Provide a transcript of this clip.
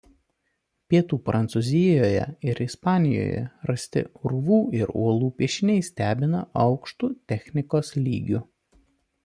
Pietų Prancūzijoje ir Ispanijoje rasti urvų ir uolų piešiniai stebina aukštu technikos lygiu.